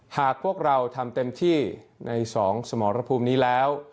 หากพวกเราทำเต็มที่ใน๒สมรภูมินี้แล้ว